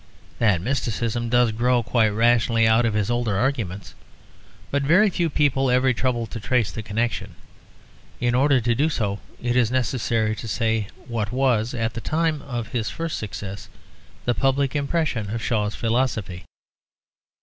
That mysticism does grow quite rationally out of his older arguments; but very few people ever troubled to trace the connection. In order to do so it is necessary to say what was, at the time of his first success, the public impression of Shaw's philosophy.